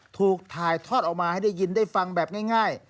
ถูกถ่ายทอดออกมาให้ได้ยินได้ฟังแบบง่าย